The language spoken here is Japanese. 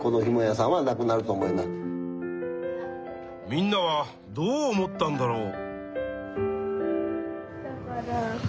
みんなはどう思ったんだろう？